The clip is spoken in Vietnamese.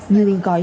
như gói máy